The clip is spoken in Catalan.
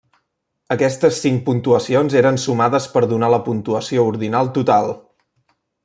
Aquestes cinc puntuacions eren sumades per donar la puntuació ordinal total.